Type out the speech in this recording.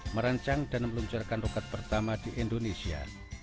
merancang dan meluncurkan roket pertama di indonesia